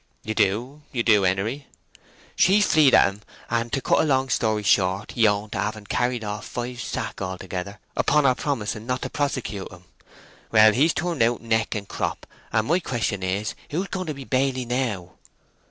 "You do—you do, Henery." "She fleed at him, and, to cut a long story short, he owned to having carried off five sack altogether, upon her promising not to persecute him. Well, he's turned out neck and crop, and my question is, who's going to be baily now?"